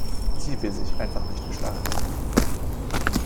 Sie will sich einfach nicht geschlagen geben.